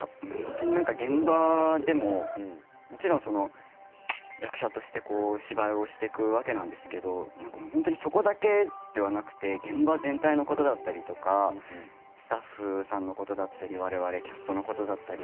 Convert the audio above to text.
現場でももちろん役者として芝居をしていくわけなんですけどそこだけではなくて現場全体のことだったりとかスタッフさんのことだったり我々キャストのことだったり